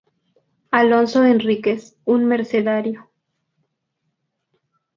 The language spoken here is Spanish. Alonso Enríquez, un mercedario.